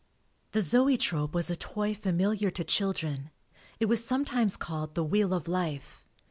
The Zoetrope was a toy familiar to children; it was sometimes called the wheel of life.